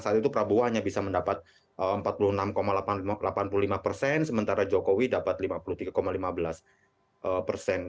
saat itu prabowo hanya bisa mendapat empat puluh enam delapan puluh lima persen sementara jokowi dapat lima puluh tiga lima belas persen